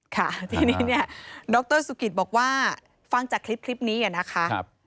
ค่ะทีนี้เนี่ยดรสุกิตบอกว่าฟังจากคลิปนี้นะคะ